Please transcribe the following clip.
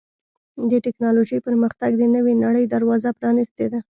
د ټکنالوجۍ پرمختګ د نوې نړۍ دروازه پرانستې ده.